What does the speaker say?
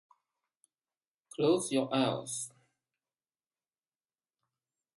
The town is named for Charles Gilman, a railroad contractor.